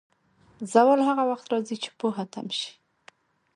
زوال هغه وخت راځي، چې پوهه تم شي.